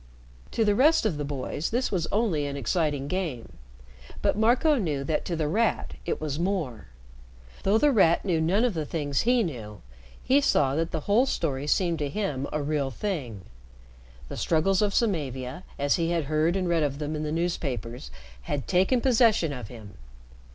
To the rest of the boys this was only an exciting game, but Marco knew that to The Rat it was more. Though The Rat knew none of the things he knew, he saw that the whole story seemed to him a real thing. The struggles of Samavia, as he had heard and read of them in the newspapers, had taken possession of him.